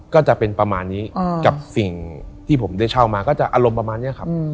ก็จะเป็นประมาณนี้กับสิ่งที่ผมได้เช่ามาก็จะอารมณ์ประมาณนี้ครับ